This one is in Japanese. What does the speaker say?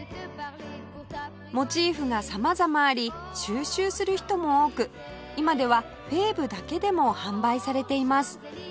モチーフが様々あり収集する人も多く今ではフェーブだけでも販売されています